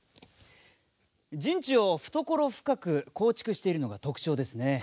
陣地を懐深く構築しているのが特徴ですね。